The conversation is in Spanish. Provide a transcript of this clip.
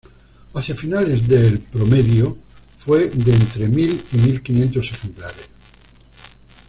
Hacia finales del el promedio fue de entre mil y mil quinientos ejemplares.